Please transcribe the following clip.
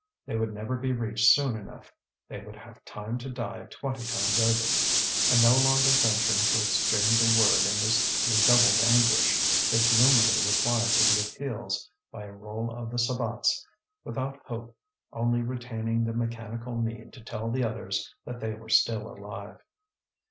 They would never be reached soon enough; they would have time to die twenty times over. And no longer venturing to exchange a word in this redoubled anguish, they gloomily replied to the appeals by a roll of the sabots, without hope, only retaining the mechanical need to tell the others that they were still alive.